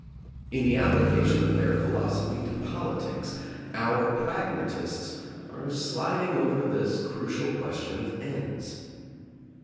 In the application of their philosophy to politics, our pragmatists are slid ing over this crucial question of ends.